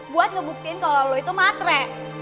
buat ngebuktiin kalau lo itu matre